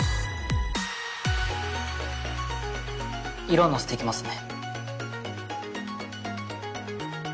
色をのせていきますね。